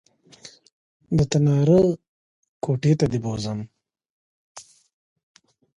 د تناره کوټې ته دې بوځم